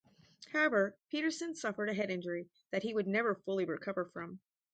However, Pettersson suffered a head injury that he would never fully recover from.